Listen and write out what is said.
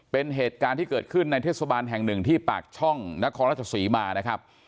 เป็นเหตุการณ์ที่เกิดขึ้นในเทศบาลแห่งหนึ่งที่ปากช่องนครราชศรีมานะครับ